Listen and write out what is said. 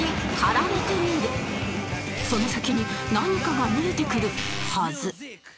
その先に何かが見えてくるはず